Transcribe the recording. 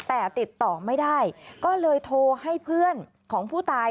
แต่ติดต่อไม่ได้ก็เลยโทรให้เพื่อนของผู้ตาย